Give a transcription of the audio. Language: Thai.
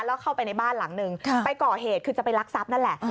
แล้วเข้าไปในบ้านหลังนึงไปก่อเหตุคือจะไปรักทรัพย์นั่นแหละ